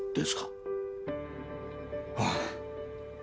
ああ。